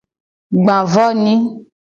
Gba vo nyi.